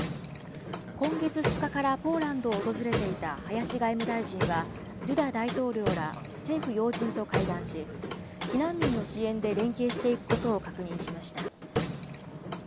今月２日からポーランドを訪れていた林外務大臣は、ドゥダ大統領ら政府要人と会談し、避難民の支援で連携していくことを確認しました。